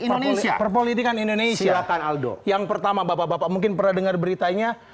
indonesia politikan indonesia akan aldo yang pertama bapak mungkin pernah dengar beritanya